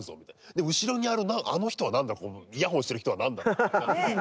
で後ろにいるあの人は何だイヤホンしてる人は何だみたいな。